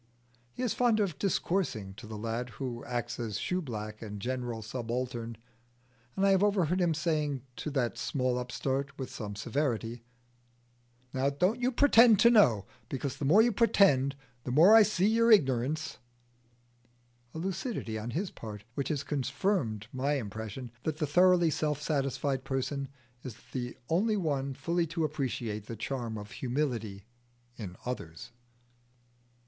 He is fond of discoursing to the lad who acts as shoe black and general subaltern, and I have overheard him saying to that small upstart, with some severity, "Now don't you pretend to know, because the more you pretend the more I see your ignirance" a lucidity on his part which has confirmed my impression that the thoroughly self satisfied person is the only one fully to appreciate the charm of humility in others.